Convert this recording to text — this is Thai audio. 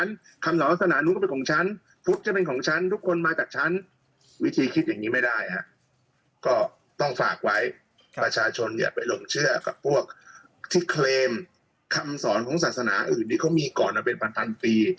อย่าไปหล่มเชื่อกับพวกที่เคลมคำสอนของศาสนาอื่นที่เขามีก่อนมาเป็นพันปี